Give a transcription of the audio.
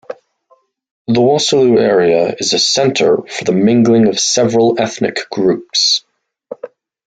The Wassoulou area is a center for the mingling of several ethnic groups.